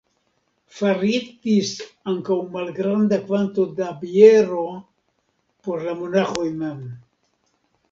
Faritis ankaŭ malgranda kvanto da biero por la monaĥoj mem.